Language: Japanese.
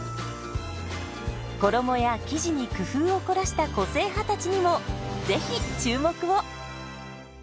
衣や生地に工夫を凝らした個性派たちにもぜひ注目を！